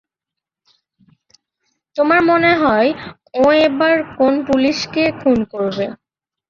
তোমার মনে হয় ও এবার কোন পুলিশকে খুন করবে?